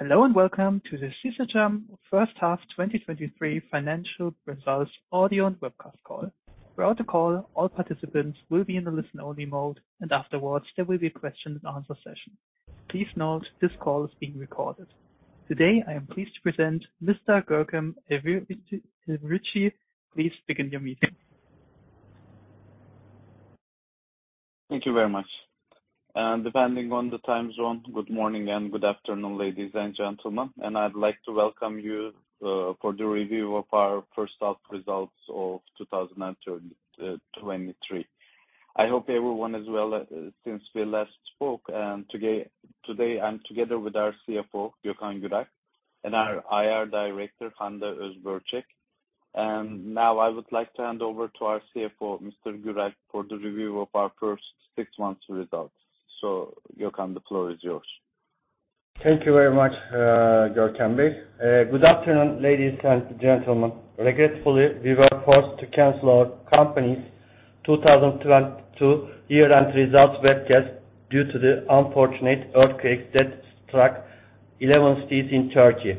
Hello, and welcome to the Şişecam first half 2023 financial results audio and webcast call. Throughout the call, all participants will be in the listen-only mode, and afterwards, there will be a question and answer session. Please note, this call is being recorded. Today, I am pleased to present Mr. Görkem Elverici. Please begin your meeting. Thank you very much. Depending on the time zone, good morning and good afternoon, ladies and gentlemen, and I'd like to welcome you for the review of our first half results of 2023. I hope everyone is well since we last spoke. Today, I'm together with our CFO, Gökhan Güralp, and our IR Director, Hande Özbörçek. Now I would like to hand over to our CFO, Mr. Güralp, for the review of our first six months results. Gökhan, the floor is yours. Thank you very much, Görkem Bey. Good afternoon, ladies and gentlemen. Regretfully, we were forced to cancel our company's 2022 year-end results webcast due to the unfortunate earthquakes that struck 11 cities in Turkey.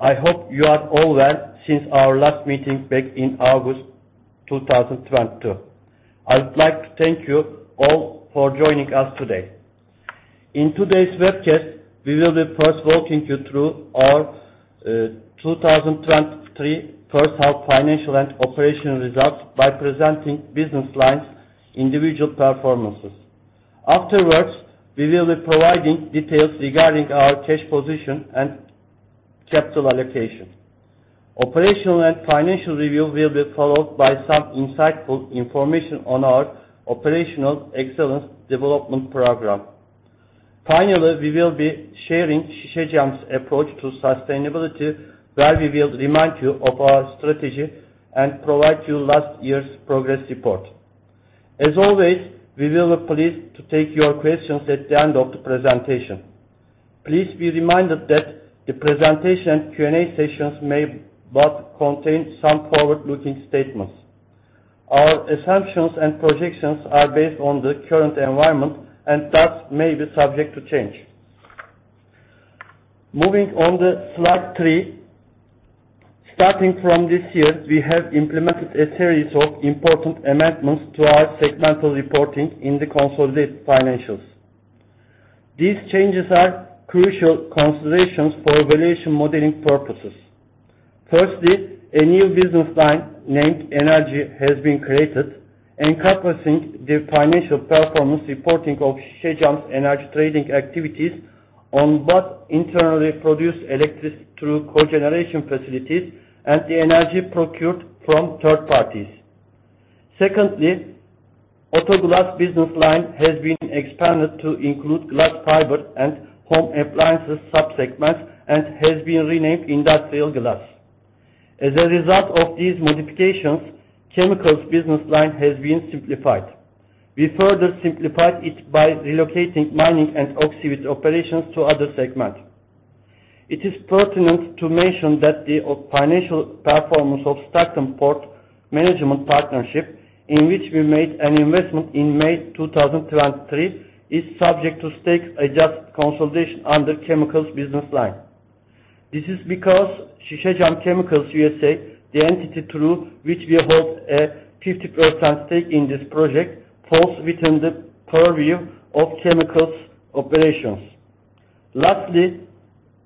I hope you are all well since our last meeting back in August 2022. I would like to thank you all for joining us today. In today's webcast, we will be first walking you through our 2023 first half financial and operational results by presenting business lines, individual performances. Afterwards, we will be providing details regarding our cash position and capital allocation. Operational and financial review will be followed by some insightful information on our operational excellence development program. Finally, we will be sharing Şişecam's approach to sustainability, where we will remind you of our strategy and provide you last year's progress report. As always, we will be pleased to take your questions at the end of the presentation. Please be reminded that the presentation Q&A sessions may both contain some forward-looking statements. Our assumptions and projections are based on the current environment, and thus may be subject to change. Moving on the slide 3. Starting from this year, we have implemented a series of important amendments to our segmental reporting in the consolidated financials. These changes are crucial considerations for valuation modeling purposes. Firstly, a new business line named Energy has been created, encompassing the financial performance reporting of Şişecam's energy trading activities on both internally produced electricity through cogeneration facilities and the energy procured from third parties. Secondly, Autoglass business line has been expanded to include glass fiber and home appliances sub-segments and has been renamed Industrial Glass. As a result of these modifications, Chemicals business line has been simplified. We further simplified it by relocating mining and oxy with operations to other segments. It is pertinent to mention that the financial performance of Stockton Port Management Project, in which we made an investment in May 2023, is subject to stake-adjusted consolidation under Chemicals business line. This is because Sisecam Chemicals USA, the entity through which we hold a 50% stake in this project, falls within the purview of chemicals operations. Lastly,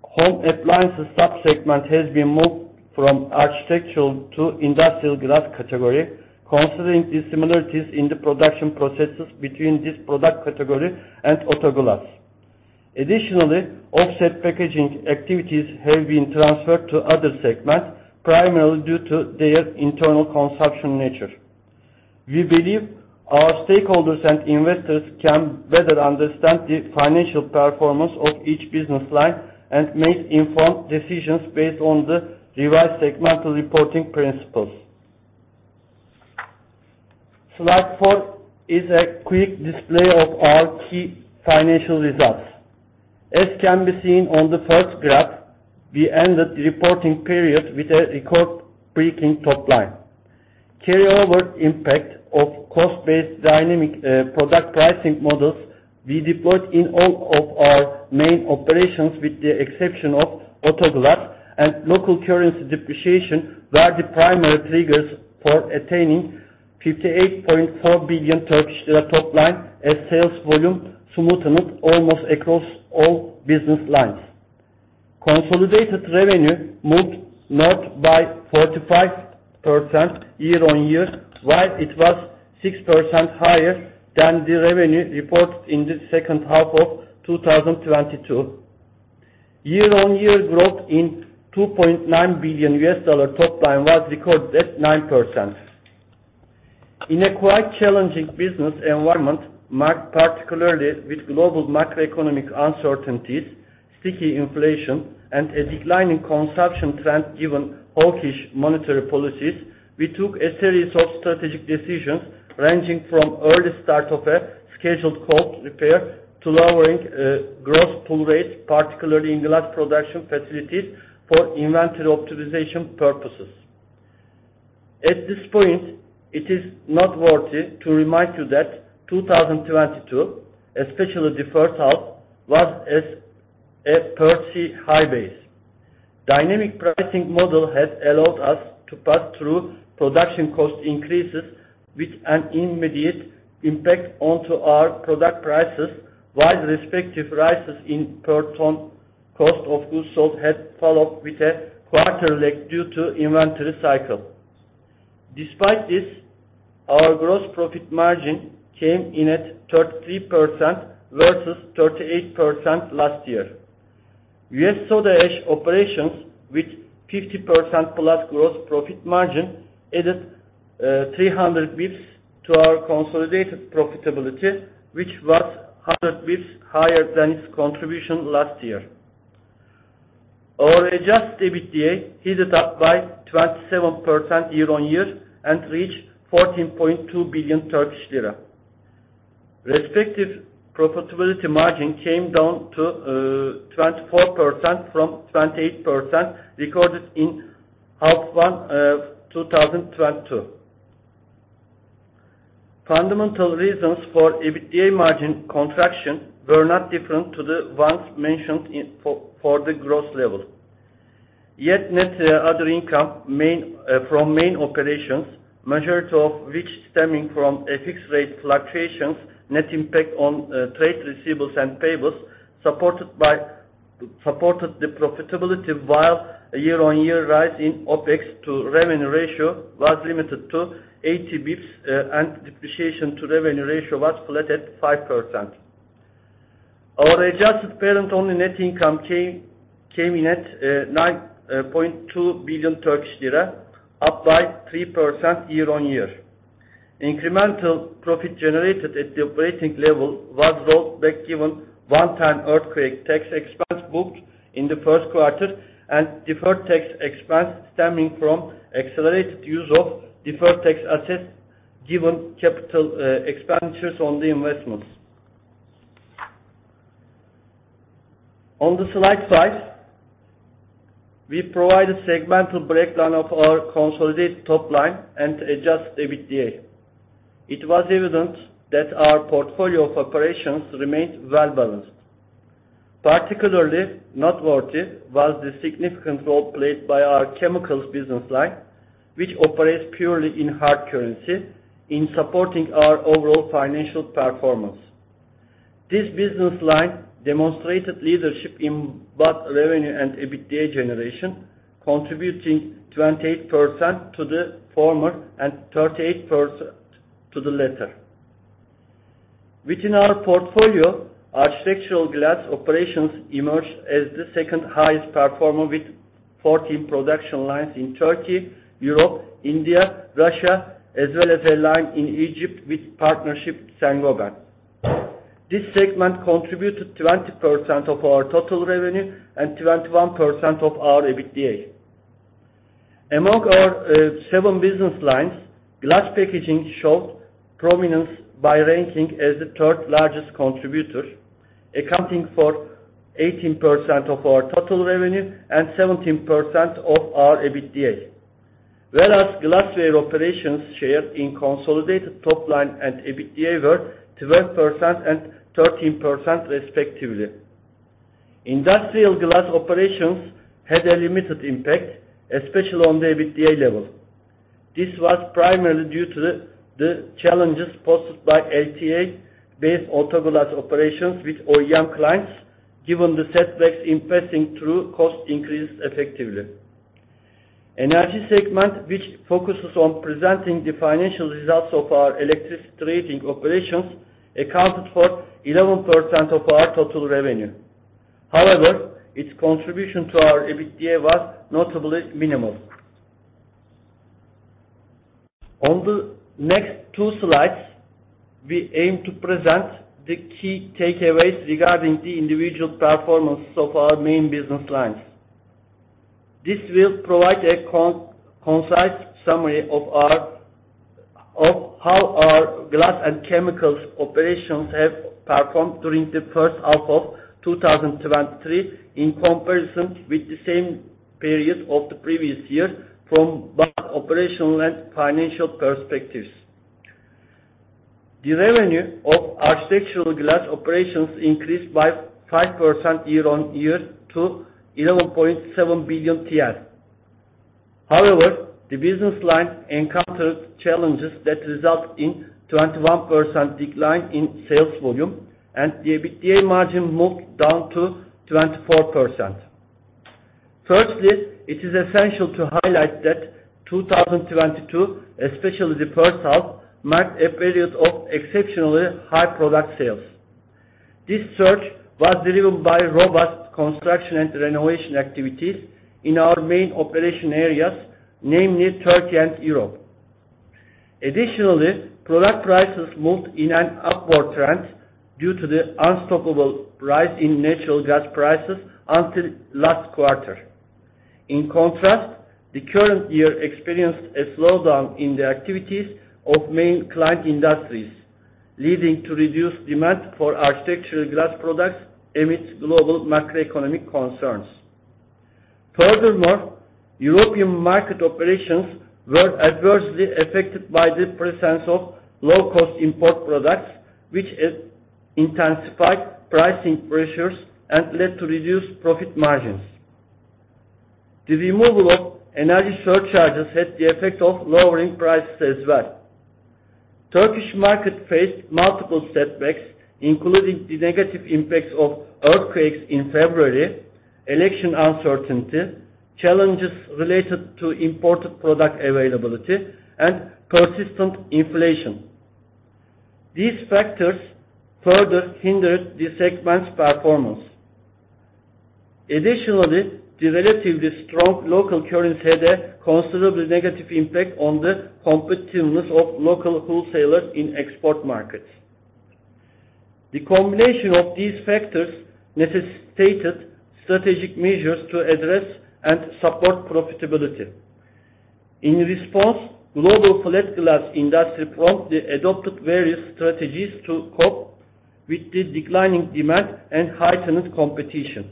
Home Appliances sub-segment has been moved from architectural to Industrial Glass category, considering the similarities in the production processes between this product category and Autoglass. Additionally, offset packaging activities have been transferred to other segments, primarily due to their internal consumption nature. We believe our stakeholders and investors can better understand the financial performance of each business line and make informed decisions based on the revised segmental reporting principles. Slide 4 is a quick display of our key financial results. As can be seen on the first graph, we ended the reporting period with a record-breaking top line. Carryover impact of cost-based dynamic product pricing models we deployed in all of our main operations, with the exception of Autoglass, and local currency depreciation were the primary triggers for attaining 58.4 billion Turkish lira top line as sales volume smoothness almost across all business lines. Consolidated revenue moved north by 45% year-on-year, while it was 6% higher than the revenue reported in the second half of 2022. Year-on-year growth in $2.9 billion top line was recorded at 9%. In a quite challenging business environment, marked particularly with global macroeconomic uncertainties, sticky inflation, and a declining consumption trend, given hawkish monetary policies, we took a series of strategic decisions, ranging from early start of a scheduled cold repair to lowering gross pull rates, particularly in glass production facilities for inventory optimization purposes. At this point, it is not worthy to remind you that 2022, especially the first half, was as a per se high base. Dynamic pricing model has allowed us to pass through production cost increases with an immediate impact onto our product prices, while respective rises in per ton cost of goods sold had followed with a quarter lag due to inventory cycle. Despite this, our gross profit margin came in at 33% versus 38% last year. US soda ash operations, with 50% plus gross profit margin, added 300 basis points to our consolidated profitability, which was 100 basis points higher than its contribution last year. Our adjusted EBITDA heated up by 27% year-over-year and reached TRY 14.2 billion. Respective profitability margin came down to 24% from 28%, recorded in half one 2022. Fundamental reasons for EBITDA margin contraction were not different to the ones mentioned for the gross level. Yet net other income from main operations, majority of which stemming from a fixed rate fluctuations, net impact on trade receivables and payables, supported the profitability, while a year-over-year rise in OpEx to revenue ratio was limited to 80 basis points, and depreciation to revenue ratio was flat at 5%. Our adjusted parent-only net income came, came in at 9.2 billion Turkish lira, up by 3% year-on-year. Incremental profit generated at the operating level was rolled back, given one-time earthquake tax expense booked in the first quarter, and deferred tax expense stemming from accelerated use of deferred tax assets, given capital expenditures on the investments. On the slide side, we provided segmental breakdown of our consolidated top line and adjusted EBITDA. It was evident that our portfolio of operations remained well-balanced. Particularly noteworthy was the significant role played by our Chemicals business line, which operates purely in hard currency, in supporting our overall financial performance. This business line demonstrated leadership in both revenue and EBITDA generation, contributing 28% to the former and 38% to the latter. Within our portfolio, architectural glass operations emerged as the second highest performer, with 14 production lines in Turkey, Europe, India, Russia, as well as a line in Egypt with partnership, Saint-Gobain. This segment contributed 20% of our total revenue and 21% of our EBITDA. Among our 7 business lines, glass packaging showed prominence by ranking as the 3rd largest contributor, accounting for 18% of our total revenue and 17% of our EBITDA. Glassware operations share in consolidated top line and EBITDA were 12% and 13% respectively. Industrial glass operations had a limited impact, especially on the EBITDA level. This was primarily due to the challenges posed by ATA-based auto glass operations with OEM clients, given the setbacks in passing through cost increases effectively. Energy segment, which focuses on presenting the financial results of our electricity trading operations, accounted for 11% of our total revenue. Its contribution to our EBITDA was notably minimal. On the next 2 slides, we aim to present the key takeaways regarding the individual performance of our main business lines. This will provide a concise summary of how our glass and chemicals operations have performed during the first half of 2023 in comparison with the same period of the previous year, from both operational and financial perspectives. The revenue of architectural glass operations increased by 5% year-on-year to TL 11.7 billion. The business line encountered challenges that result in 21% decline in sales volume, and the EBITDA margin moved down to 24%. Firstly, it is essential to highlight that 2022, especially the first half, marked a period of exceptionally high product sales. This surge was driven by robust construction and renovation activities in our main operation areas, namely Turkey and Europe. Additionally, product prices moved in an upward trend due to the unstoppable rise in natural gas prices until last quarter. In contrast, the current year experienced a slowdown in the activities of main client industries leading to reduced demand for architectural glass products amidst global macroeconomic concerns. Furthermore, European market operations were adversely affected by the presence of low-cost import products, which intensified pricing pressures and led to reduced profit margins. The removal of energy surcharges had the effect of lowering prices as well. Turkish market faced multiple setbacks, including the negative impacts of earthquakes in February, election uncertainty, challenges related to imported product availability, and persistent inflation. These factors further hindered the segment's performance. Additionally, the relatively strong local currency had a considerably negative impact on the competitiveness of local wholesalers in export markets. The combination of these factors necessitated strategic measures to address and support profitability. In response, global flat glass industry promptly adopted various strategies to cope with the declining demand and heightened competition.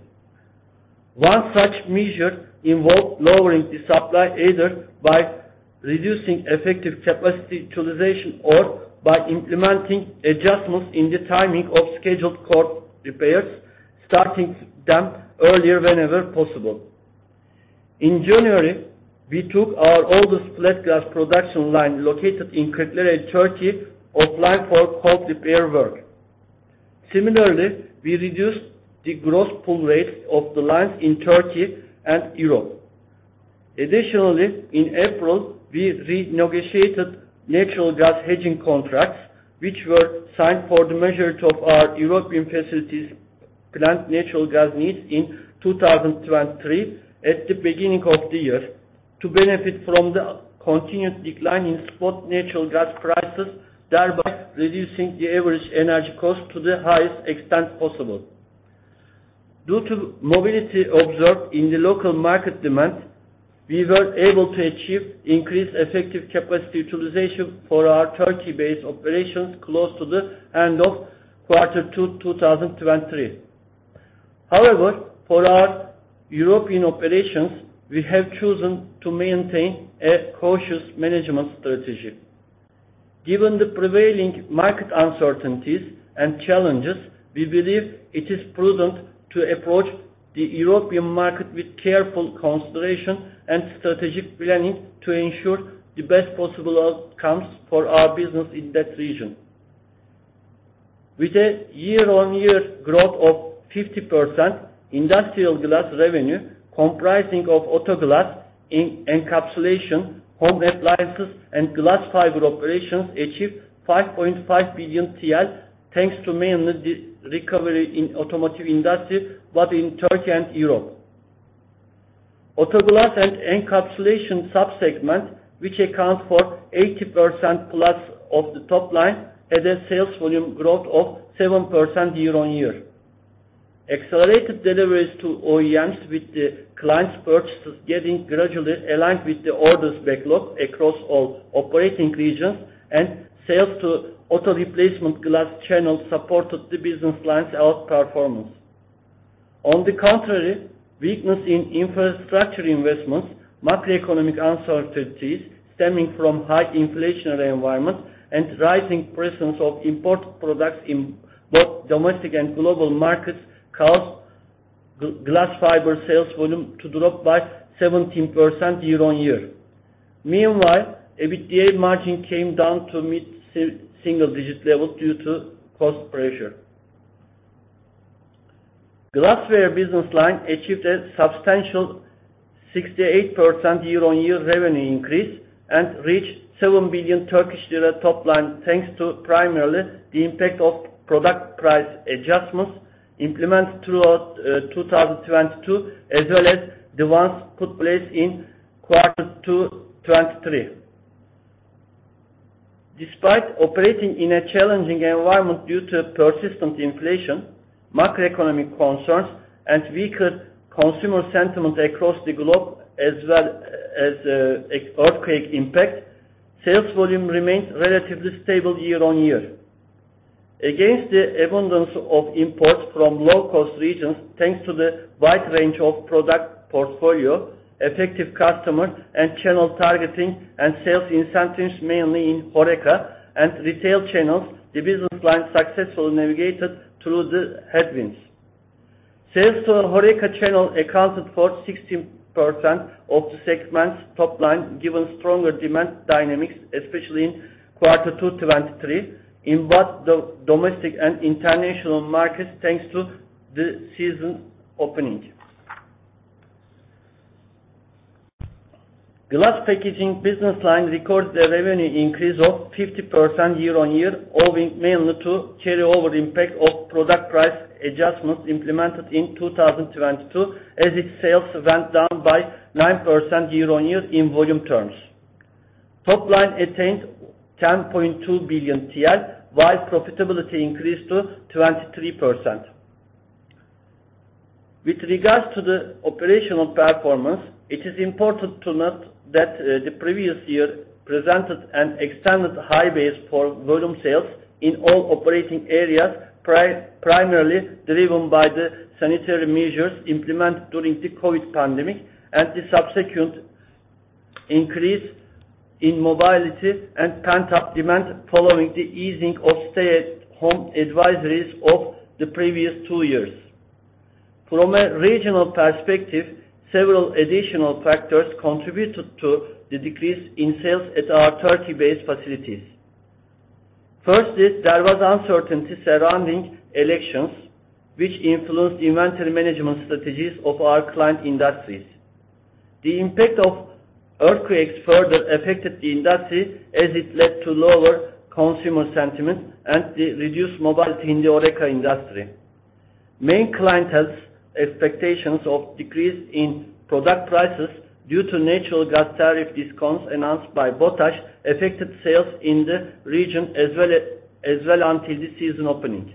One such measure involved lowering the supply, either by reducing effective capacity utilization or by implementing adjustments in the timing of scheduled cold repairs, starting them earlier whenever possible. In January, we took our oldest flat glass production line, located in Kırklareli, Turkey, offline for cold repair work. Similarly, we reduced the gross pull rates of the lines in Turkey and Europe. Additionally, in April, we renegotiated natural gas hedging contracts, which were signed for the majority of our European facilities' planned natural gas needs in 2023 at the beginning of the year, to benefit from the continued decline in spot natural gas prices, thereby reducing the average energy cost to the highest extent possible. Due to mobility observed in the local market demand, we were able to achieve increased effective capacity utilization for our Turkey-based operations close to the end of Q2 2023. For our European operations, we have chosen to maintain a cautious management strategy. Given the prevailing market uncertainties and challenges, we believe it is prudent to approach the European market with careful consideration and strategic planning to ensure the best possible outcomes for our business in that region. With a year-on-year growth of 50%, Industrial Glass revenue, comprising of auto glass in encapsulation, home appliances, and glass fiber operations, achieved TL 5.5 billion, thanks to mainly the recovery in automotive industry, both in Turkey and Europe. Auto glass and encapsulation sub-segment, which account for 80%+ of the top line, had a sales volume growth of 7% year-on-year. Accelerated deliveries to OEMs, with the clients' purchases getting gradually aligned with the orders backlog across all operating regions, and sales to auto replacement glass channels supported the business line's outperformance. On the contrary, weakness in infrastructure investments, macroeconomic uncertainties stemming from high inflationary environment, and rising presence of imported products in both domestic and global markets caused glass fiber sales volume to drop by 17% year-on-year. Meanwhile, EBITDA margin came down to mid-single digit levels due to cost pressure. Glassware business line achieved a substantial 68% year-on-year revenue increase and reached 7 billion Turkish lira top line, thanks to primarily the impact of product price adjustments implemented throughout 2022, as well as the ones put in place in Q2 2023. Despite operating in a challenging environment due to persistent inflation, macroeconomic concerns, and weaker consumer sentiment across the globe, as well as an earthquake impact, sales volume remained relatively stable year on year. Against the abundance of imports from low-cost regions, thanks to the wide range of product portfolio, effective customer and channel targeting, and sales incentives, mainly in HORECA and retail channels, the business line successfully navigated through the headwinds. Sales to HORECA channel accounted for 60% of the segment's top line, given stronger demand dynamics, especially in Q2 2023, in both the domestic and international markets, thanks to the season opening. Glass packaging business line recorded a revenue increase of 50% year-on-year, owing mainly to carryover impact of product price adjustments implemented in 2022, as its sales went down by 9% year-on-year in volume terms. Top line attained TL 10.2 billion, while profitability increased to 23%. With regards to the operational performance, it is important to note that the previous year presented an extended high base for volume sales in all operating areas, primarily driven by the sanitary measures implemented during the COVID pandemic, and the subsequent increase in mobility and pent-up demand following the easing of stay-at-home advisories of the previous 2 years. From a regional perspective, several additional factors contributed to the decrease in sales at our Turkey-based facilities. Firstly, there was uncertainty surrounding elections, which influenced inventory management strategies of our client industries. The impact of earthquakes further affected the industry as it led to lower consumer sentiment and the reduced mobility in the HORECA industry. Main clientele's expectations of decrease in product prices due to natural gas tariff discounts announced by BOTAŞ, affected sales in the region as well until the season opening.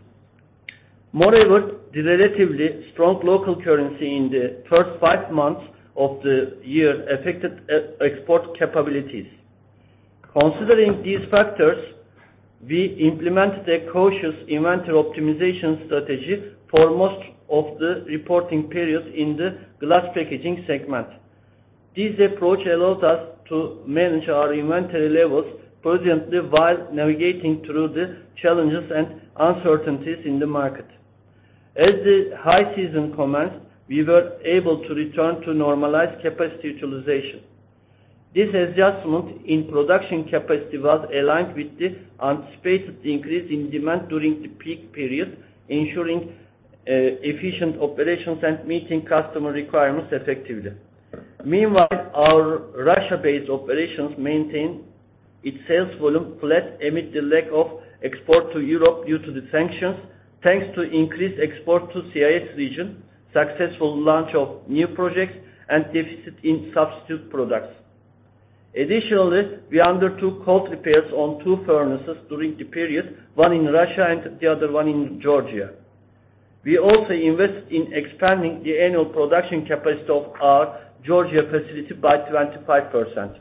Moreover, the relatively strong local currency in the first five months of the year affected ex- export capabilities. Considering these factors, we implemented a cautious inventory optimization strategy for most of the reporting periods in the glass packaging segment. This approach allows us to manage our inventory levels prudently while navigating through the challenges and uncertainties in the market. As the high season commenced, we were able to return to normalized capacity utilization. This adjustment in production capacity was aligned with the anticipated increase in demand during the peak period, ensuring efficient operations and meeting customer requirements effectively. Meanwhile, our Russia-based operations maintained its sales volume flat amid the lack of export to Europe due to the sanctions, thanks to increased export to CIS region, successful launch of new projects, and deficit in substitute products. Additionally, we undertook cold repairs on 2 furnaces during the period, 1 in Russia and the other 1 in Georgia. We also invested in expanding the annual production capacity of our Georgia facility by 25%.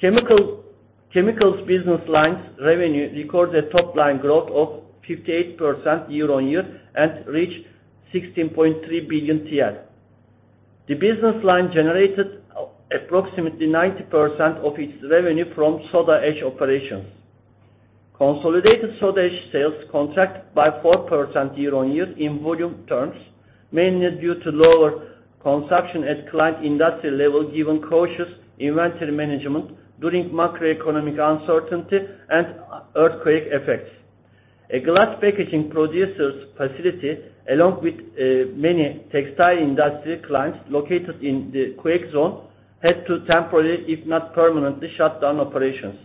Chemicals business lines revenue recorded a top-line growth of 58% year on year and reached TL 16.3 billion. The business line generated approximately 90% of its revenue from Soda Ash operations. Consolidated Soda Ash sales contracted by 4% year on year in volume terms, mainly due to lower consumption at client industry level, given cautious inventory management during macroeconomic uncertainty and earthquake effects. A glass packaging producer's facility, along with many textile industry clients located in the quake zone, had to temporarily, if not permanently, shut down operations.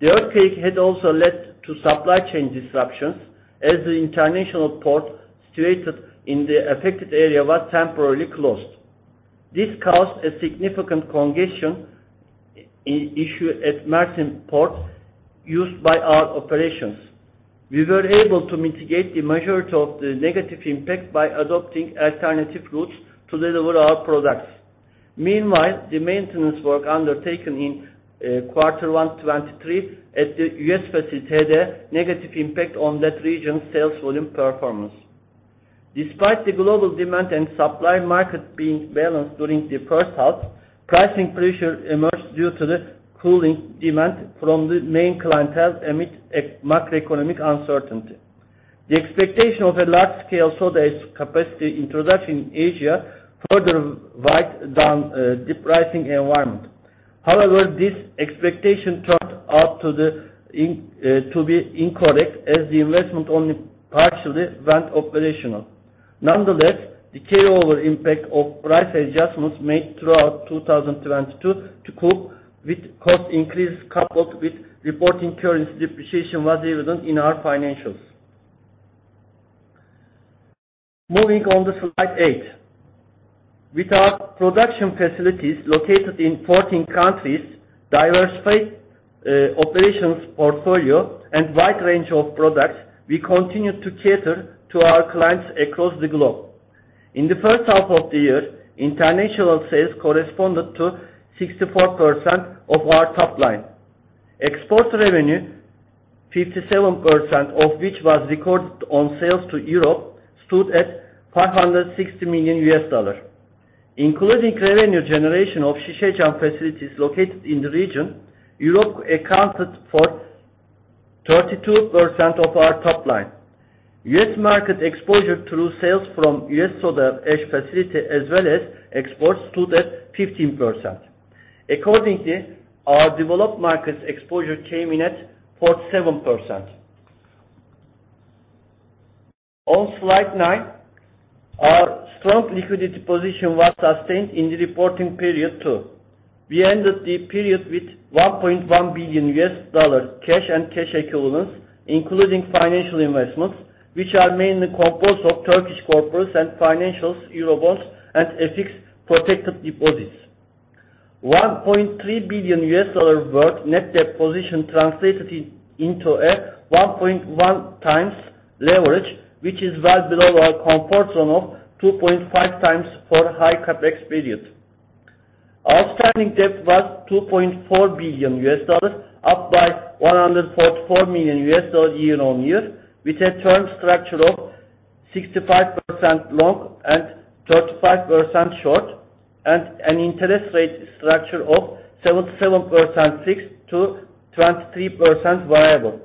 The earthquake had also led to supply chain disruptions, as the international port situated in the affected area was temporarily closed. This caused a significant congestion issue at Mersin Port, used by our operations. We were able to mitigate the majority of the negative impact by adopting alternative routes to deliver our products. Meanwhile, the maintenance work undertaken in quarter 1 2023 at the US facility had a negative impact on that region's sales volume performance. Despite the global demand and supply market being balanced during the first half, pricing pressure emerged due to the cooling demand from the main clientele amid a macroeconomic uncertainty. The expectation of a large-scale Soda Ash capacity introduction in Asia further wiped down the pricing environment. However, this expectation turned out to be incorrect, as the investment only partially went operational. Nonetheless, the carryover impact of price adjustments made throughout 2022 to cope with cost increases, coupled with reporting currency depreciation, was evident in our financials. Moving on to slide 8. With our production facilities located in 14 countries, diversified operations portfolio, and wide range of products, we continue to cater to our clients across the globe. In the first half of the year, international sales corresponded to 64% of our top line. Export revenue, 57% of which was recorded on sales to Europe, stood at $560 million. Including revenue generation of Şişecam facilities located in the region, Europe accounted for 32% of our top line. U.S. market exposure through sales from U.S. soda ash facility as well as exports stood at 15%. Accordingly, our developed markets exposure came in at 47%. On slide 9, our strong liquidity position was sustained in the reporting period, too. We ended the period with $1.1 billion cash and cash equivalents, including financial investments, which are mainly composed of Turkish corporates and financials, Eurobonds, and FX-protected deposits. $1.3 billion net debt position translated into a 1.1 times leverage, which is well below our comfort zone of 2.5 times for high CapEx period. Our standing debt was $2.4 billion, up by $144 million year-on-year, with a term structure of 65% long and 35% short, and an interest rate structure of 77% fixed to 23% variable.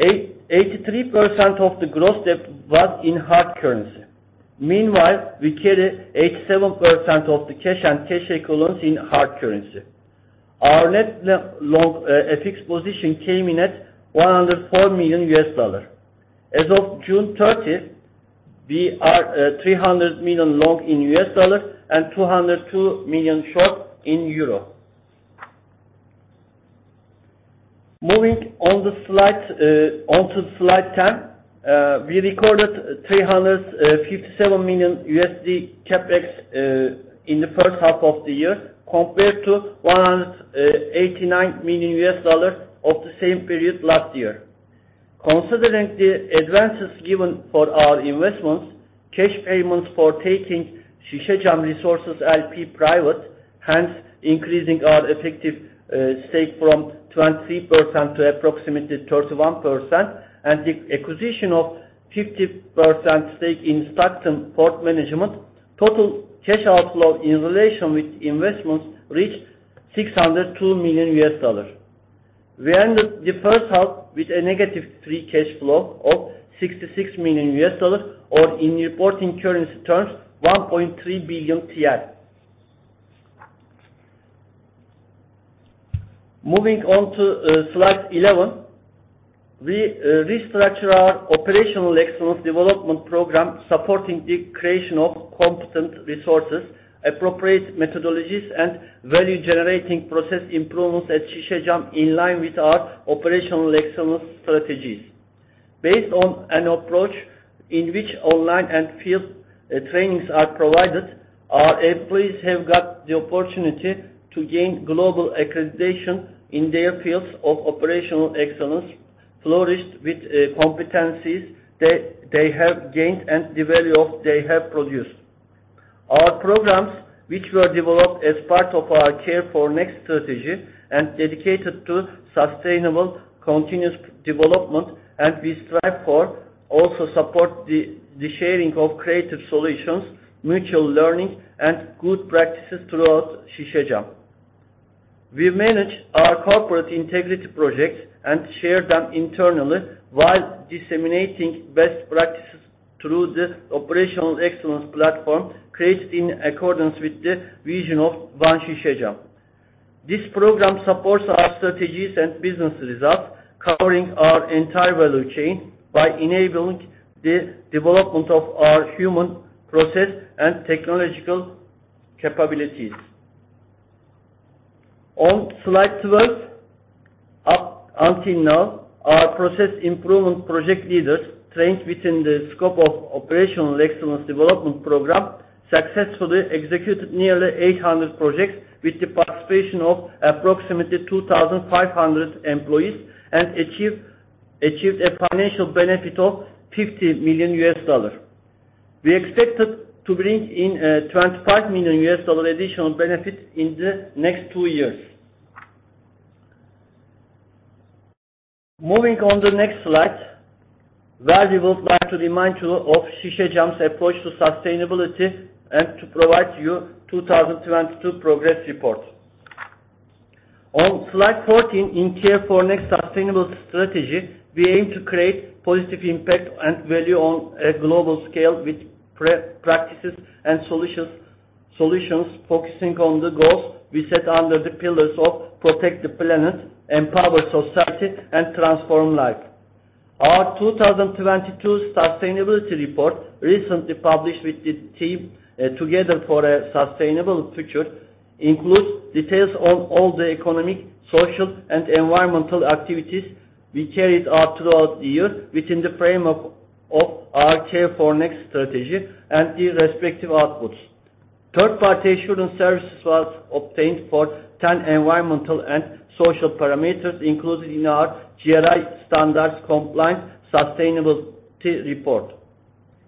83% of the gross debt was in hard currency. Meanwhile, we carry 87% of the cash and cash equivalents in hard currency. Our net long fixed position came in at $104 million. As of June 30th, we are $300 million long in US dollar and 202 million short in euro. Moving on the slide, onto slide 10, we recorded $357 million CapEx in the first half of the year, compared to $189 million of the same period last year. Considering the advances given for our investments, cash payments for taking Sisecam Resources LP private, hence increasing our effective stake from 23% to approximately 31%, and the acquisition of 50% stake in Stockton Port Management, total cash outflow in relation with investments reached $602 million. We ended the first half with a negative free cash flow of $66 million, or in reporting currency terms, 1.3 billion. Moving on to slide 11. We restructure our operational excellence development program, supporting the creation of competent resources, appropriate methodologies, and value-generating process improvements at Şişecam, in line with our operational excellence strategies. Based on an approach in which online and field trainings are provided, our employees have got the opportunity to gain global accreditation in their fields of operational excellence, flourished with competencies they have gained, and the value of they have produced. Our programs, which were developed as part of our CareforNext strategy and dedicated to sustainable, continuous development, and we strive for, also support the sharing of creative solutions, mutual learning, and good practices throughout Şişecam. We manage our corporate integrity projects and share them internally, while disseminating best practices through the operational excellence platform, created in accordance with the vision of One Şişecam. This program supports our strategies and business results, covering our entire value chain by enabling the development of our human, process, and technological capabilities. On slide 12, up until now, our process improvement project leaders, trained within the scope of operational excellence development program, successfully executed nearly 800 projects with the participation of approximately 2,500 employees, and achieved a financial benefit of $50 million. We expected to bring in $25 million additional benefit in the next two years. Moving on the next slide, where we would like to remind you of Şişecam's approach to sustainability and to provide you 2022 progress report. On slide 14, in CareforNext sustainability strategy, we aim to create positive impact and value on a global scale with practices and solutions, solutions focusing on the goals we set under the pillars of Protect the Planet, Empower Society, and Transform Life. Our 2022 sustainability report, recently published with the theme, Together for a Sustainable Future, includes details on all the economic, social, and environmental activities we carried out throughout the year, within the frame of our CareforNext strategy and the respective outputs. Third-party assurance services was obtained for 10 environmental and social parameters included in our GRI standards compliance sustainability report.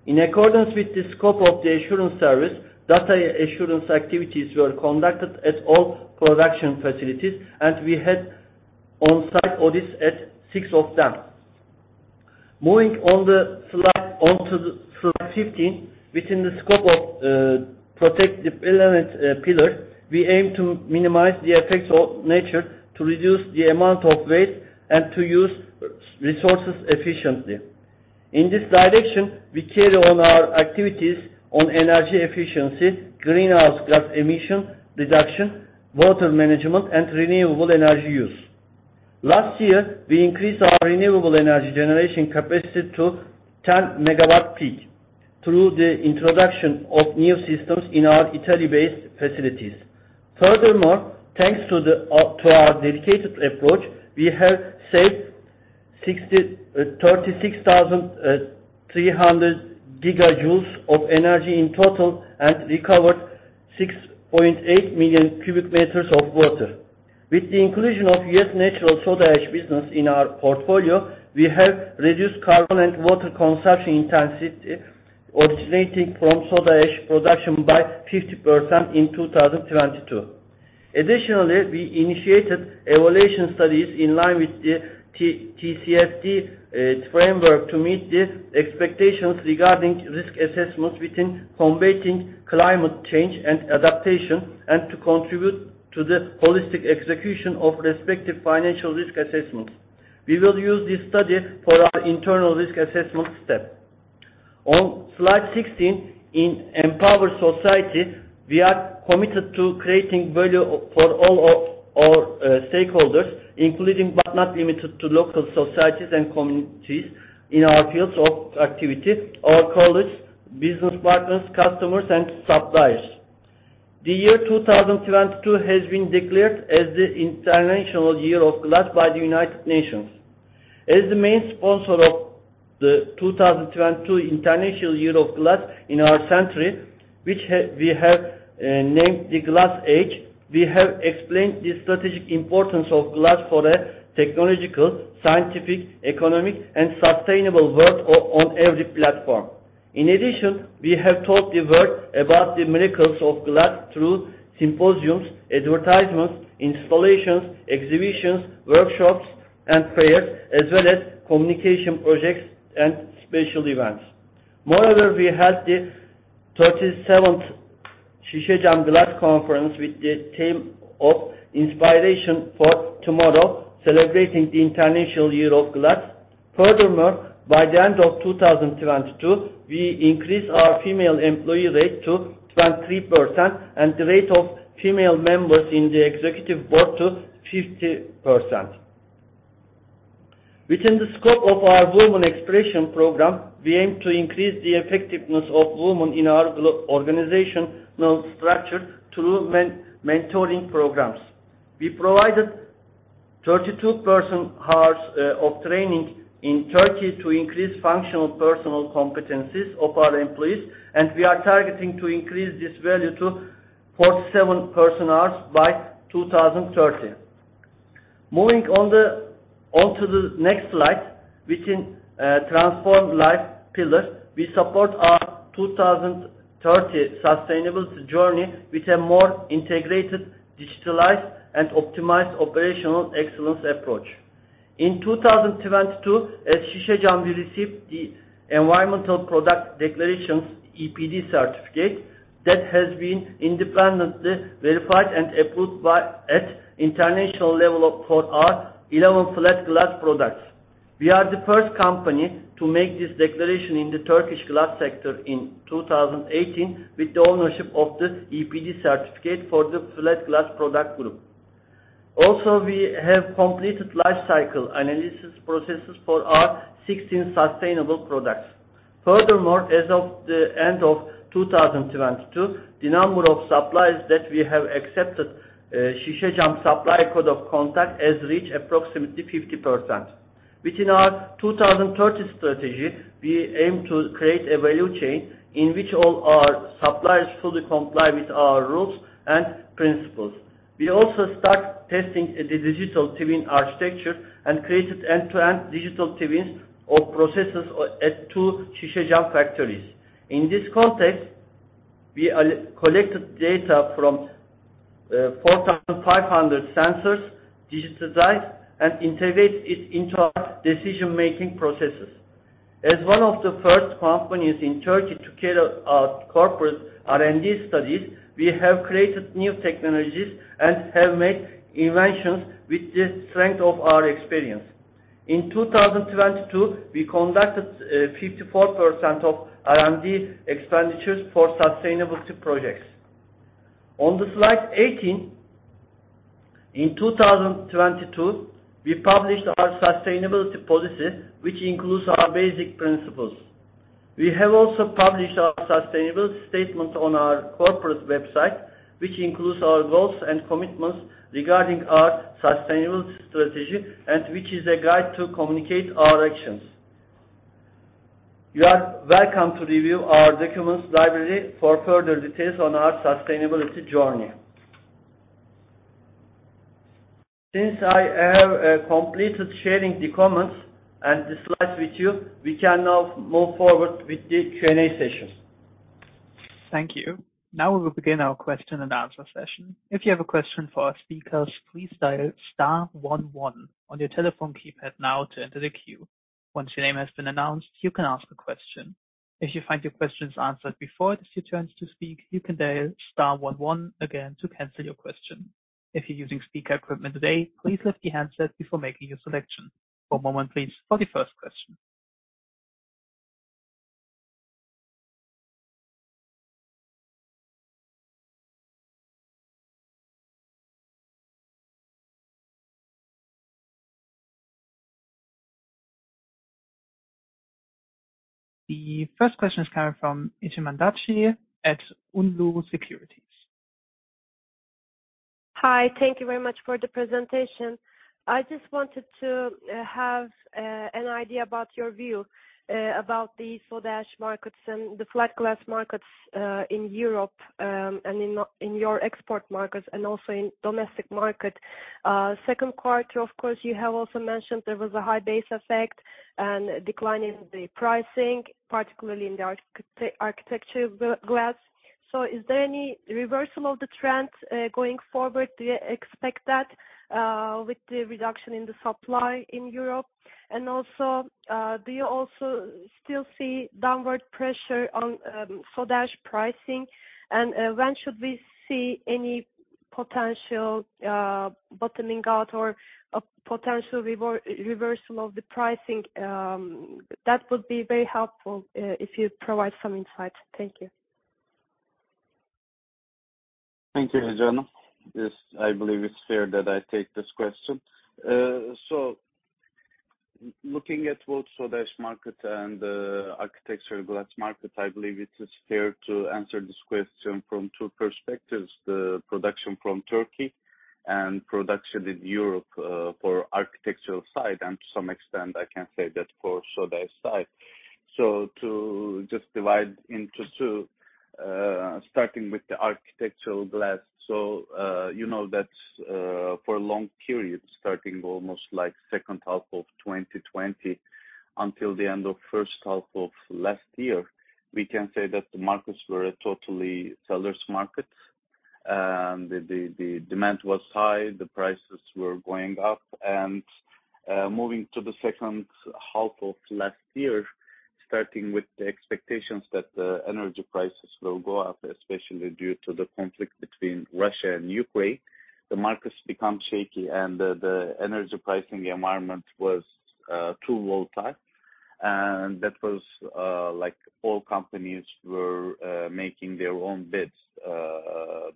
In accordance with the scope of the assurance service, data assurance activities were conducted at all production facilities, and we had on-site audits at 6 of them. Moving on the slide, on to slide 15, within the scope of Protect the Planet pillar, we aim to minimize the effects of nature, to reduce the amount of waste, and to use resources efficiently. In this direction, we carry on our activities on energy efficiency, greenhouse gas emission reduction, water management, and renewable energy use. Last year, we increased our renewable energy generation capacity to 10 megawatt peak through the introduction of new systems in our Italy-based facilities. Furthermore, thanks to our dedicated approach, we have saved 36,300 gigajoules of energy in total, and recovered 6.8 million cubic meters of water. With the inclusion of US Natural Soda Ash business in our portfolio, we have reduced carbon and water consumption intensity originating from soda ash production by 50% in 2022. Additionally, we initiated evaluation studies in line with the TCFD framework to meet the expectations regarding risk assessment within combating climate change and adaptation, and to contribute to the holistic execution of respective financial risk assessments. We will use this study for our internal risk assessment step. On slide 16, in Empower Society, we are committed to creating value for all of our stakeholders, including, but not limited to, local societies and communities in our fields of activity, our colleagues, business partners, customers, and suppliers. The year 2022 has been declared as the International Year of Glass by the United Nations. As the main sponsor of the 2022 International Year of Glass in our century, which we have named the Glass Age, we have explained the strategic importance of glass for a technological, scientific, economic, and sustainable world on every platform. In addition, we have taught the world about the miracles of glass through symposiums, advertisements, installations, exhibitions, workshops, and fairs, as well as communication projects and special events. Moreover, we had the 37th Şişecam Glass Conference with the theme of Inspiration for Tomorrow, celebrating the International Year of Glass. Furthermore, by the end of 2022, we increased our female employee rate to 23%, and the rate of female members in the executive board to 50%. Within the scope of our Women Expression Program, we aim to increase the effectiveness of women in our organizational structure through mentoring programs. We provided 32 person hours of training in Turkey to increase functional personal competencies of our employees, and we are targeting to increase this value to 47 person hours by 2030. Moving on to the next slide, within Transform Life pillar, we support our 2030 sustainability journey with a more integrated, digitalized, and optimized operational excellence approach. In 2022, at Şişecam, we received the Environmental Product Declarations, EPD certificate, that has been independently verified and approved at international level for our 11 flat glass products. We are the first company to make this declaration in the Turkish glass sector in 2018, with the ownership of the EPD certificate for the flat glass product group. We have completed life cycle analysis processes for our 16 sustainable products. As of the end of 2022, the number of suppliers that we have accepted, Şişecam Supplier Code of Conduct, has reached approximately 50%. Within our 2030 strategy, we aim to create a value chain in which all our suppliers fully comply with our rules and principles. We also start testing the digital twin architecture and created end-to-end digital twins of processes at 2 Şişecam factories. In this context, we are collected data from 4,500 sensors, digitalized, and integrate it into our decision-making processes. As one of the first companies in Turkey to cater our corporate R&D studies, we have created new technologies and have made inventions with the strength of our experience. In 2022, we conducted, 54% of R&D expenditures for sustainability projects. On the slide 18, in 2022, we published our sustainability policy, which includes our basic principles. We have also published our sustainability statement on our corporate website, which includes our goals and commitments regarding our sustainability strategy and which is a guide to communicate our actions. You are welcome to review our documents library for further details on our sustainability journey. Since I have, completed sharing the comments and the slides with you, we can now move forward with the Q&A session. Thank you. Now we will begin our question and answer session. If you have a question for our speakers, please dial star one one on your telephone keypad now to enter the queue. Once your name has been announced, you can ask a question. If you find your questions answered before it is your turn to speak, you can dial star one one again to cancel your question. If you're using speaker equipment today, please lift the handset before making your selection. One moment, please, for the first question. The first question is coming from Ece Mandaci at Unlu Securities. Hi, thank you very much for the presentation. I just wanted to have an idea about your view about the Soda Ash markets and the flat glass markets in Europe, and in your export markets and also in domestic market. Second quarter, of course, you have also mentioned there was a high base effect and a decline in the pricing, particularly in the architecture glass. Is there any reversal of the trend going forward? Do you expect that with the reduction in the supply in Europe? Also, do you also still see downward pressure on Soda Ash pricing? When should we see any potential bottoming out or a potential reversal of the pricing? That would be very helpful if you provide some insight. Thank you. Thank you, Ecem. Yes, I believe it's fair that I take this question. Looking at both Soda Ash market and architectural glass market, I believe it is fair to answer this question from two perspectives: the production from Turkey and production in Europe for architectural side, and to some extent, I can say that for Soda Ash side. To just divide into two, starting with the architectural glass. You know that for a long period, starting almost like second half of 2020 until the end of first half of last year, we can say that the markets were a totally sellers market. And the, the, the demand was high, the prices were going up. Moving to the second half of last year, starting with the expectations that the energy prices will go up, especially due to the conflict between Russia and Ukraine, the markets become shaky and the energy pricing environment was too volatile. That was like all companies were making their own bids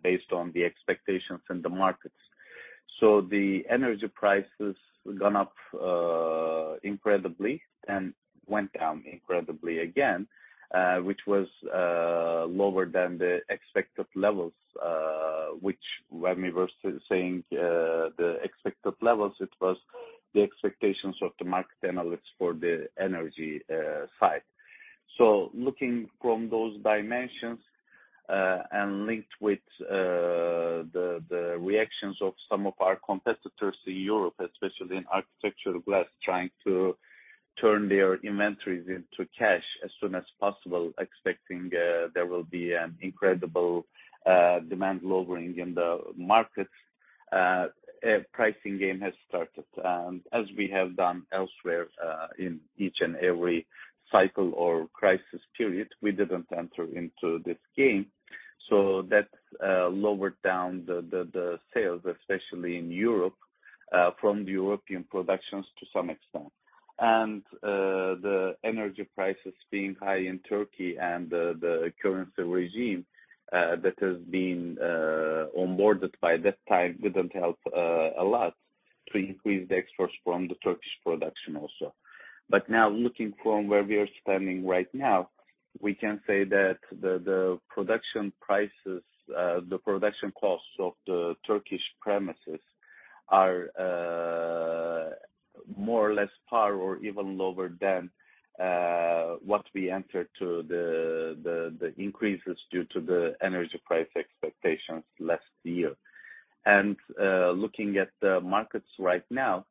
based on the expectations in the markets. The energy prices gone up incredibly and went down incredibly again, which was lower than the expected levels, which when we were saying the expected levels, it was the expectations of the market analysts for the energy side. Looking from those dimensions, and linked with the reactions of some of our competitors in Europe, especially in architectural glass, trying to turn their inventories into cash as soon as possible, expecting there will be an incredible demand lowering in the markets, a pricing game has started. As we have done elsewhere, in each and every cycle or crisis period, we didn't enter into this game. That lowered down the sales, especially in Europe, from the European productions to some extent. The energy prices being high in Turkey and the currency regime that has been onboarded by that time, didn't help a lot to increase the exports from the Turkish production also. Now, looking from where we are standing right now, we can say that the, the production prices, the production costs of the Turkish premises are more or less par or even lower than what we entered to the, the, the increases due to the energy price expectations last year. Looking at the markets right now,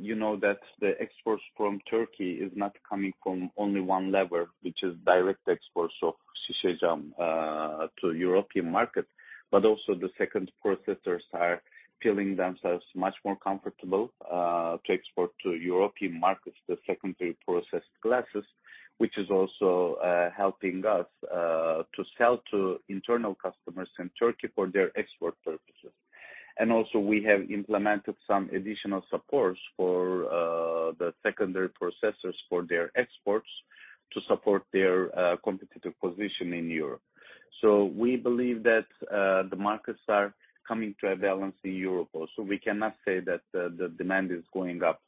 you know that the exports from Turkey is not coming from only one lever, which is direct exports of Şişecam to European market, but also the second processors are feeling themselves much more comfortable to export to European markets, the secondary processed glasses, which is also helping us to sell to internal customers in Turkey for their export purposes. Also, we have implemented some additional supports for the secondary processors for their exports, to support their competitive position in Europe. We believe that the markets are coming to a balance in Europe also. We cannot say that the demand is going up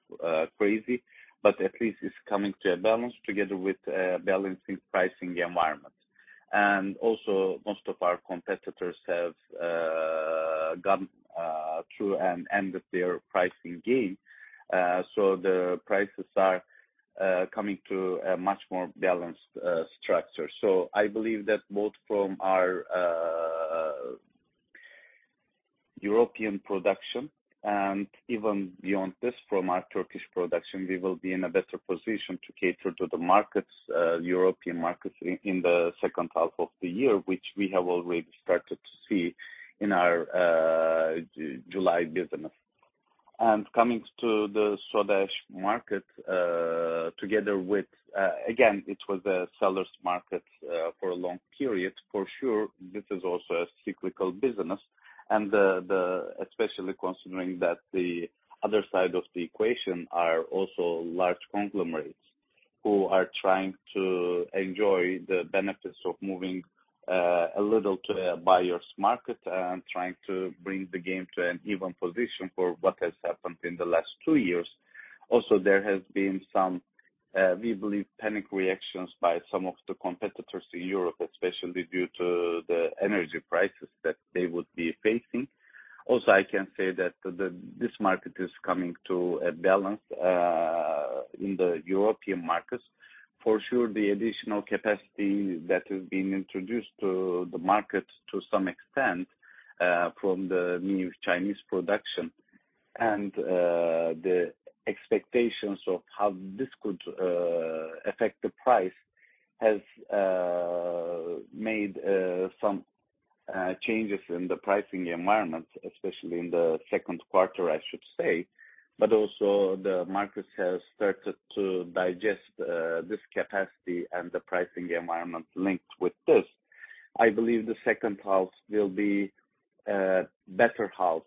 crazy, but at least it's coming to a balance together with balancing pricing environment. Also, most of our competitors have gone through and ended their pricing game. The prices are coming to a much more balanced structure. I believe that both from our European production and even beyond this, from our Turkish production, we will be in a better position to cater to the markets, European markets in the second half of the year, which we have already started to see in our July business. Coming to the Soda Ash market, together with... Again, it was a seller's market for a long period. For sure, this is also a cyclical business, and especially considering that the other side of the equation are also large conglomerates who are trying to enjoy the benefits of moving a little to a buyer's market and trying to bring the game to an even position for what has happened in the last 2 years. There has been some, we believe, panic reactions by some of the competitors in Europe, especially due to the energy prices that they would be facing. I can say that this market is coming to a balance in the European markets. For sure, the additional capacity that has been introduced to the market, to some extent, from the new Chinese production and the expectations of how this could affect the price, has made some changes in the pricing environment, especially in the second quarter, I should say. Also, the market has started to digest this capacity and the pricing environment linked with this. I believe the second half will be a better half,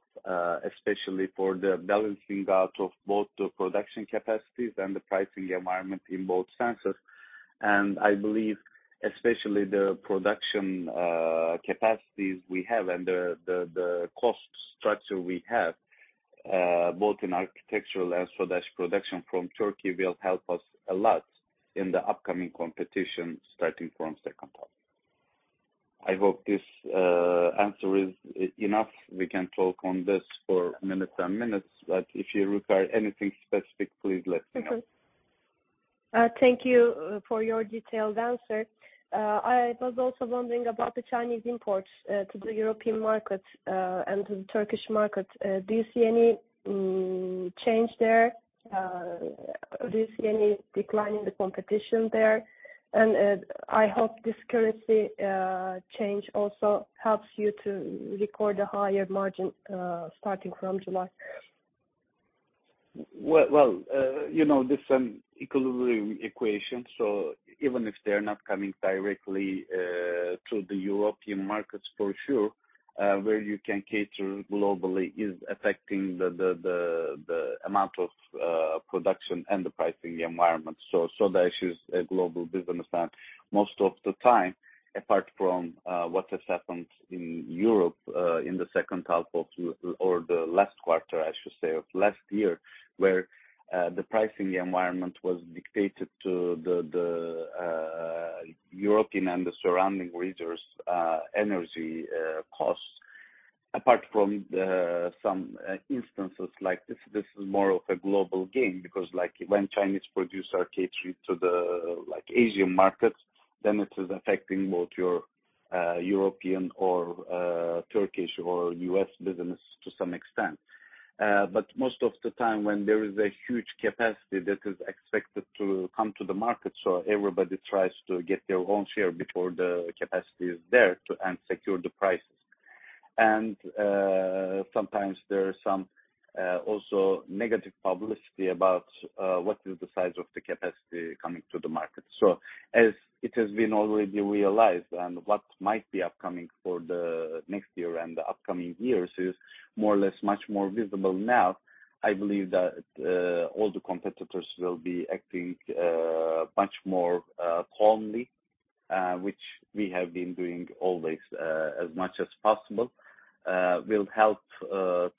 especially for the balancing out of both the production capacities and the pricing environment in both senses. I believe, especially the production capacities we have and the cost structure we have, both in architectural and Soda Ash production from Turkey, will help us a lot in the upcoming competition starting from second half. I hope this answer is enough. We can talk on this for minutes and minutes, but if you require anything specific, please let me know. Okay. Thank you for your detailed answer. I was also wondering about the Chinese imports to the European market and to the Turkish market. Do you see any change there? Do you see any decline in the competition there? I hope this currency change also helps you to record a higher margin starting from July. Well, well, you know, there's some equilibrium equation, so even if they are not coming directly to the European markets, for sure, where you can cater globally is affecting the, the, the, the amount of production and the pricing environment. Soda Ash is a global business, and most of the time, apart from what has happened in Europe in the second half of 2022 or the last quarter, I should say, of last year, where the pricing environment was dictated to the European and the surrounding regions, energy costs. Apart from the, some instances like this, this is more of a global game, because like when Chinese produce or cater to the, like, Asian markets, then it is affecting both your European or Turkish or US business to some extent. Most of the time when there is a huge capacity that is expected to come to the market, so everybody tries to get their own share before the capacity is there to, and secure the prices. Sometimes there are some also negative publicity about what is the size of the capacity coming to the market. As it has been already realized, and what might be upcoming for the next year and the upcoming years is more or less much more visible now. I believe that all the competitors will be acting much more calmly, which we have been doing always, as much as possible, will help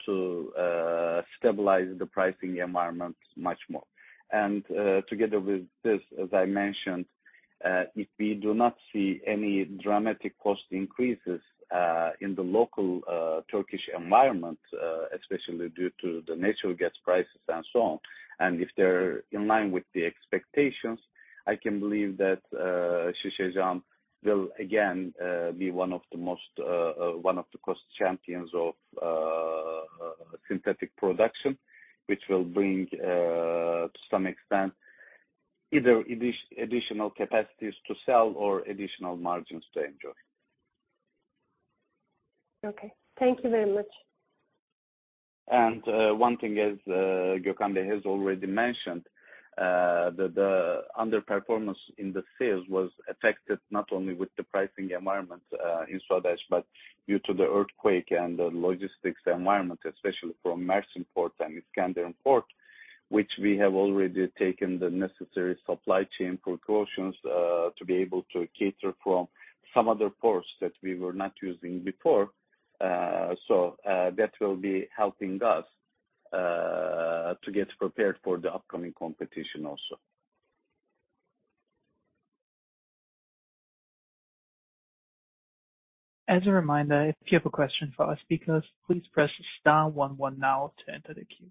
to stabilize the pricing environment much more. Together with this, as I mentioned, if we do not see any dramatic cost increases in the local Turkish environment, especially due to the natural gas prices and so on, and if they're in line with the expectations, I can believe that Şişecam will again be one of the most, one of the cost champions of synthetic production. Which will bring, to some extent, either additional capacities to sell or additional margins to enjoy. Okay. Thank you very much. One thing, as Gökhan has already mentioned, that the underperformance in the sales was affected not only with the pricing environment in Soda Ash, but due to the earthquake and the logistics environment, especially from Mersin Port and Iskenderun Port, which we have already taken the necessary supply chain precautions to be able to cater from some other ports that we were not using before. That will be helping us to get prepared for the upcoming competition also. As a reminder, if you have a question for our speakers, please press star one one now to enter the queue.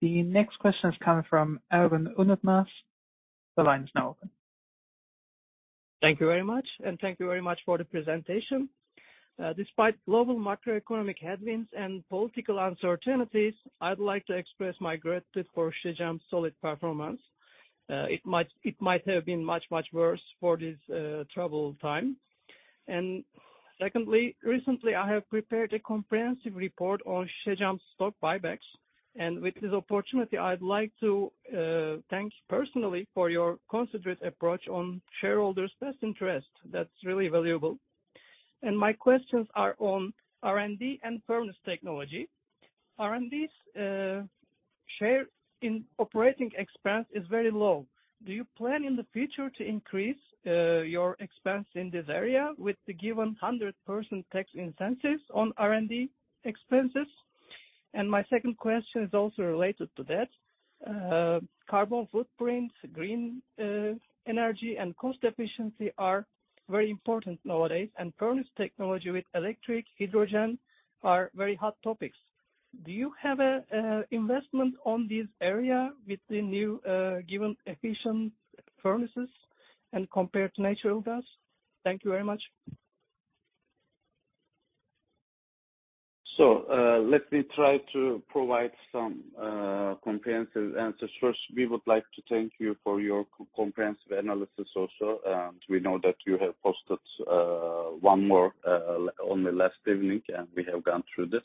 The next question is coming from Erwin Unatmas. The line is now open. Thank you very much, thank you very much for the presentation. Despite global macroeconomic headwinds and political uncertainties, I'd like to express my gratitude for Şişecam's solid performance. It might, it might have been much, much worse for this troubled time. Secondly, recently, I have prepared a comprehensive report on Şişecam's stock buybacks, and with this opportunity, I'd like to thank you personally for your considerate approach on shareholders' best interest. That's really valuable. My questions are on R&D and furnace technology. R&D's share in operating expense is very low. Do you plan in the future to increase your expense in this area with the given 100% tax incentives on R&D expenses? My second question is also related to that. carbon footprint, green energy, and cost efficiency are very important nowadays, and furnace technology with electric, hydrogen are very hot topics. Do you have a investment on this area with the new given efficient furnaces and compared to natural gas? Thank you very much. Let me try to provide some comprehensive answers. First, we would like to thank you for your co-comprehensive analysis also, and we know that you have posted one more only last evening, and we have gone through this.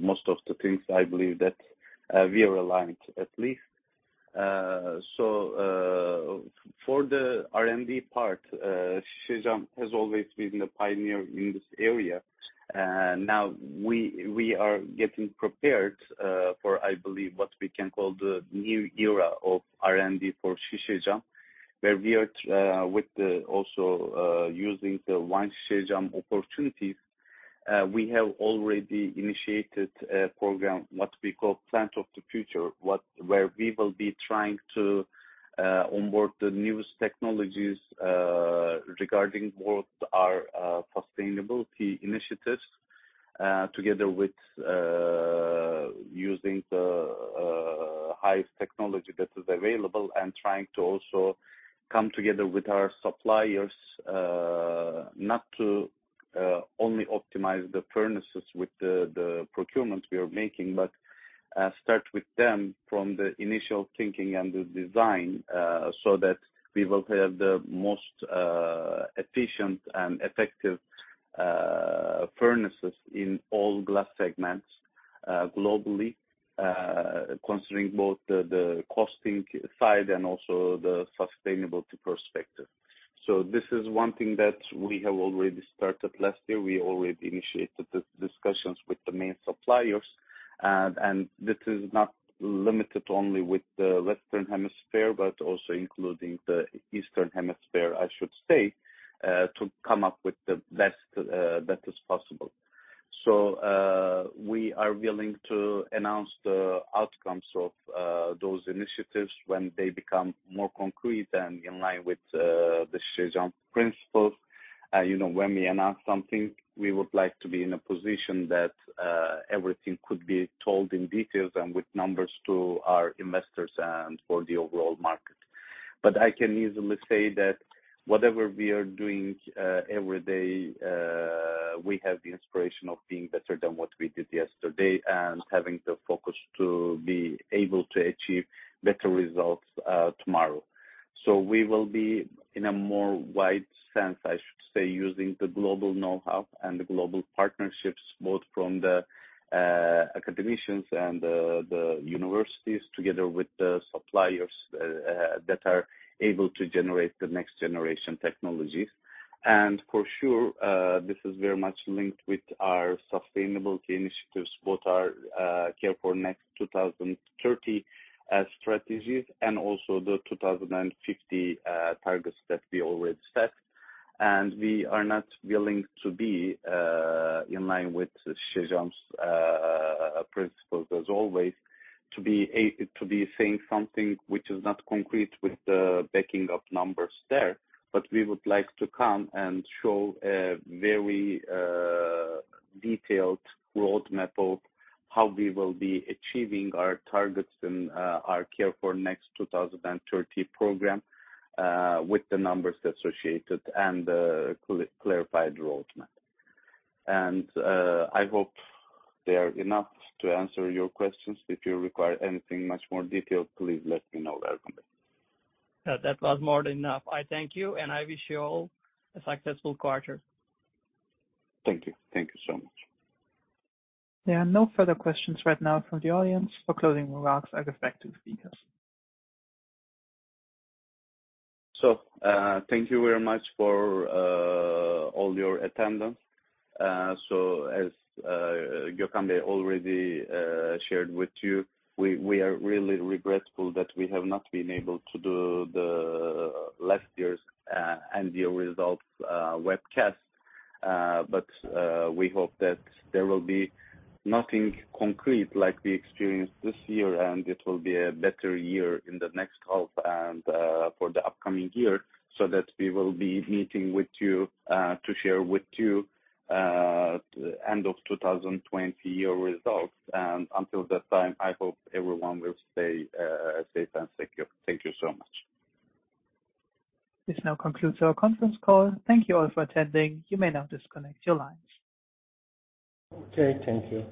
Most of the things I believe that we are aligned, at least. For the R&D part, Şişecam has always been the pioneer in this area. Now we, we are getting prepared for, I believe, what we can call the new era of R&D for Şişecam, where we are, with the also, using the One Sisecam opportunities, we have already initiated a program, what we call Plant of the Future, where we will be trying to onboard the newest technologies, regarding both our sustainability initiatives, together with using the highest technology that is available, and trying to also come together with our suppliers, not to only optimize the furnaces with the procurement we are making, but start with them from the initial thinking and the design, so that we will have the most efficient and effective furnaces in all glass segments, globally, considering both the costing side and also the sustainability perspective. This is one thing that we have already started last year. We already initiated the discussions with the main suppliers. And this is not limited only with the Western Hemisphere, but also including the Eastern Hemisphere, I should say, to come up with the best that is possible. We are willing to announce the outcomes of those initiatives when they become more concrete and in line with the Şişecam principles. You know, when we announce something, we would like to be in a position that everything could be told in details and with numbers to our investors and for the overall market. I can easily say that whatever we are doing every day, we have the inspiration of being better than what we did yesterday, and having the focus to be able to achieve better results tomorrow. We will be in a more wide sense, I should say, using the global know-how and the global partnerships, both from the academicians and the universities, together with the suppliers that are able to generate the next generation technologies. For sure, this is very much linked with our sustainability initiatives, both our CareforNext 2030 strategies, and also the 2050 targets that we already set. We are not willing to be in line with Şişecam's principles as always, to be saying something which is not concrete with the backing of numbers there. We would like to come and show a very detailed roadmap of how we will be achieving our targets in our CareforNext 2030 program with the numbers associated and the clarified roadmap. I hope they are enough to answer your questions. If you require anything much more detailed, please let me know, welcome. That was more than enough. I thank you, and I wish you all a successful quarter. Thank you. Thank you so much. There are no further questions right now from the audience for closing remarks and respective speakers. Thank you very much for all your attendance. As Gökhan Bey already shared with you, we, we are really regretful that we have not been able to do the last year's annual results webcast. We hope that there will be nothing concrete like we experienced this year, and it will be a better year in the next half and for the upcoming year, so that we will be meeting with you to share with you the end of 2020 year results. Until that time, I hope everyone will stay safe and secure. Thank you so much. This now concludes our conference call. Thank you all for attending. You may now disconnect your lines. Okay, thank you.